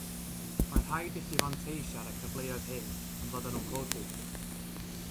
Mae'n rhaid i chi fanteisio ar y cyfleoedd hyn pan fyddan nhw'n codi.